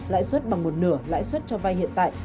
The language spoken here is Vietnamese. lãi suất bằng một nửa lãi suất cho vay hiện tại